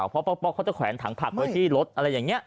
เขาจะแขวนถังผักไว้ที่รถอะไรอย่างนี้